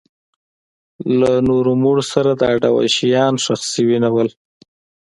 له نورو مړو سره دا ډول شیان ښخ شوي نه وو.